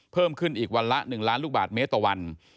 เพิ่มขึ้นอีกวันละ๑ล้านลูกบาทเมตรต่อวัน